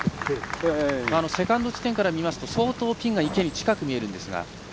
セカンド地点から見ますと相当、ピンが池に近く見えるんですが。